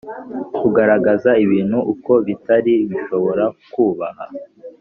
Kugaragaza ibintu uko bitari bishobora kubah